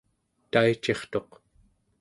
taicirtuq